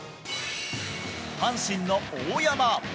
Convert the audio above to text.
阪神の大山。